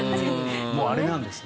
もうあれなんですね。